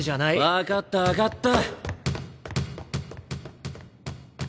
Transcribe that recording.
分かった分かった。